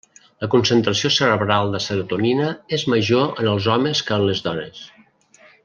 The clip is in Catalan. La concentració cerebral de serotonina és major en els homes que en les dones.